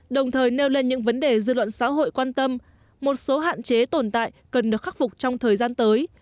đồng thời nêu lên những vấn đề dư luận xã hội quan tâm một số hạn chế tồn tại cần được khắc phục trong thời gian tới